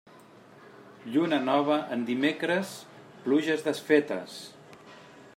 Lluna nova en dimecres, pluges desfetes.